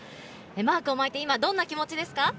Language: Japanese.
マークを巻いて今どんな気持ちですか？